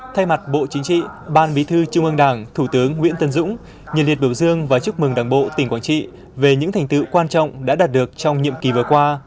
thay mặt bộ chính trị ban bí thư trung ương đảng thủ tướng nguyễn tân dũng nhiệt liệt biểu dương và chúc mừng đảng bộ tỉnh quảng trị về những thành tựu quan trọng đã đạt được trong nhiệm kỳ vừa qua